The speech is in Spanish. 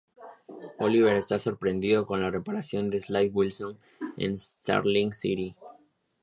Oliver está sorprendido con la reaparición de Slade Wilson en Starling City.